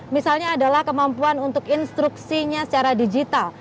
misalnya adalah kemampuan untuk instruksinya secara digital